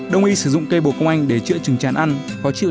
đồng ý sử dụng cây bồ công anh để chữa chừng chán ăn có chịu dịch bệnh